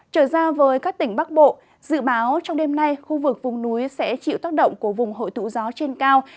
trở ra với các tỉnh bắc bộ dự báo trong đêm nay khu vực vùng núi sẽ chịu tác động của vùng hội tụ gió trên cao